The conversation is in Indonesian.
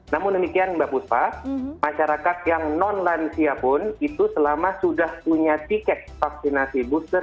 namun demikian mbak puspa masyarakat yang non lansia pun itu selama sudah punya tiket vaksinasi booster